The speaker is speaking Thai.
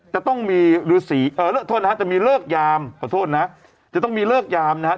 จะต้องมีฤษีเออโทษนะฮะจะมีเลิกยามขอโทษนะจะต้องมีเลิกยามนะครับ